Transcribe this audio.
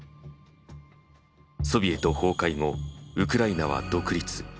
ソビエト崩壊後ウクライナは独立。